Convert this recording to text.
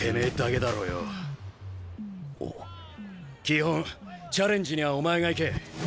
基本チャレンジにはお前が行け。